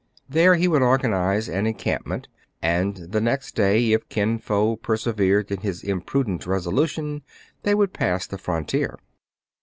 There he would organize an encampment ; and the next day, if Kin Fo persevered in his imprudent resolution, they would pass the frontier.